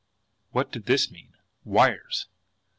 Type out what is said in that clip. WHAT DID THIS MEAN? Wires!